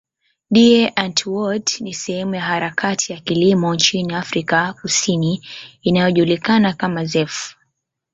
Die Antwoord ni sehemu ya harakati ya kilimo nchini Afrika Kusini inayojulikana kama zef.